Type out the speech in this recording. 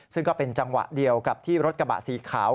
ซึ่งก็เป็นจังหวะเดียวกับที่รถกระบะสีขาว